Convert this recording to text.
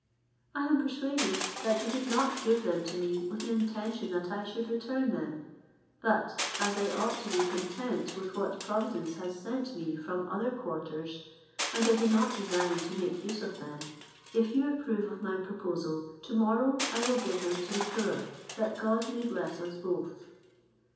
I am persuaded that you did not give them to me with an intention that I should return them; but as I ought to be content with what Providence has sent me from other quarters, and I do not design to make use of them; if you approve of my proposal, to morrow I will give them to the poor, that God may bless us both."